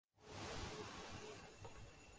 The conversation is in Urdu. خاتون انڈیا میں سستے اور لذیذ کھانوں